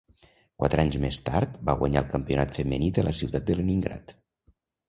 Quatre anys més tard va guanyar el Campionat femení de la ciutat de Leningrad.